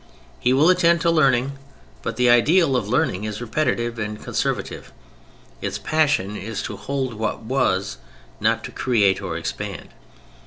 He will attend to learning, but the ideal of learning is repetitive and conservative: its passion is to hold what was, not to create or expand.